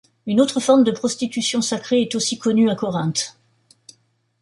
Une autre forme de prostitution sacrée est aussi connue à Corinthe.